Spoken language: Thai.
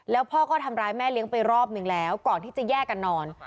แล้วพ่อก็ทำร้ายแม่เลี้ยงไปรอบหนึ่งแล้วก่อนที่จะแยกกันนอน